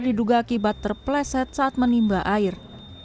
diduga akibat terpleset saat menimba air